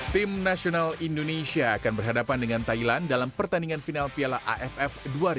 tim nasional indonesia akan berhadapan dengan thailand dalam pertandingan final piala aff dua ribu dua puluh